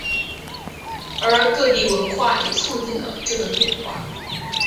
而各地文化也促进了这个变化。